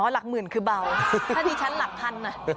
หลักหมื่นคือเบาถ้าดิฉันหลักพัน